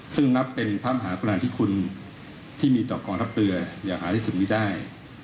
ซึ่งนับเป็นพระมหากุณาธิคุณที่มีต่อกองทัพเรืออย่างหาที่สุดไม่ได้